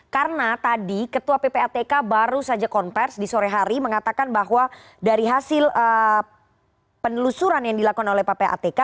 karena tadi ketua ppatk baru saja konversi di sore hari mengatakan bahwa dari hasil penelusuran yang dilakukan oleh ppatk